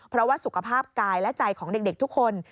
เพราะว่าสุขภาพกายและใจของเด็กทุกคน